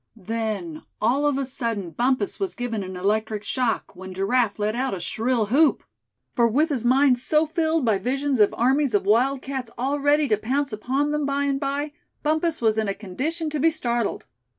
Then, all of a sudden, Bumpus was given an electric shock, when Giraffe let out a shrill whoop; for with his mind so filled by visions of armies of wildcats all ready to pounce upon them by and by, Bumpus was in a condition to be startled.